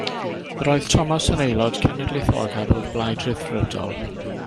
Yr oedd Thomas yn aelod cenedlaetholgar o'r Blaid Ryddfrydol.